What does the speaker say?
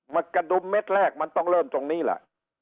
กระดุมเม็ดแรกมันต้องเริ่มตรงนี้แหละ